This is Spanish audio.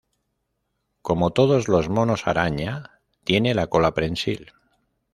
Como todos los monos araña tiene la cola prensil.